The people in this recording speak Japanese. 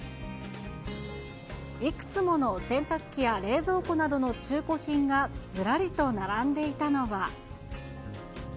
いくつもの洗濯機や、冷蔵庫などの中古品がずらりと並んでいたのは。